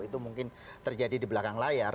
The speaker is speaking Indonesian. itu mungkin terjadi di belakang layar